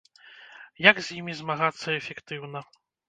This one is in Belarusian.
Як з імі змагацца эфектыўна?